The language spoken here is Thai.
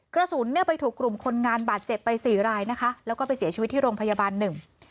กระสุนเนี่ยไปถูกกลุ่มคนงานบาดเจ็บไปสี่รายนะคะแล้วก็ไปเสียชีวิตที่โรงพยาบาลหนึ่ง